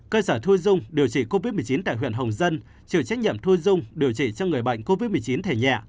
cơ sở thu dung điều trị covid một mươi chín tại huyện hồng dân chịu trách nhiệm thu dung điều trị cho người bệnh covid một mươi chín thẻ nhẹ